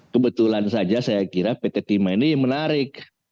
kebetulan saja saya kira pt timah ini menarik